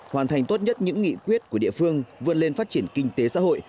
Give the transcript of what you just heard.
hoàn thành tốt nhất những nghị quyết của địa phương vươn lên phát triển kinh tế xã hội